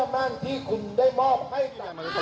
พันธะสัญญาความเชื่อมั่งที่คุณได้มอบให้